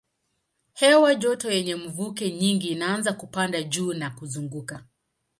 Hewa joto yenye mvuke nyingi inaanza kupanda juu na kuzunguka.